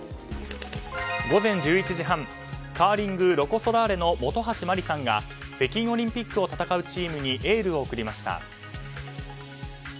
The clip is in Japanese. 午前１１時半カーリング、ロコ・ソラーレの本橋麻里さんが北京オリンピックを戦うチームにエールを送りました。